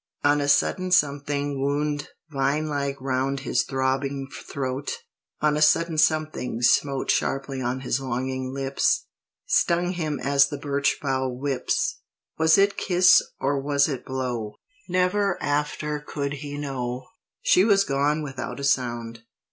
On a sudden something wound Vine like round his throbbing throat; On a sudden something smote Sharply on his longing lips, Stung him as the birch bough whips: Was it kiss or was it blow? Never after could he know; She was gone without a sound.